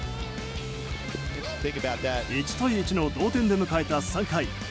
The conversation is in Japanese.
１対１の同点で迎えた３回。